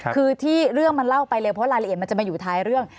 คือที่เรื่องมันเล่าไปเร็วเพราะรายละเอียดมันจะมาอยู่ท้ายเรื่อง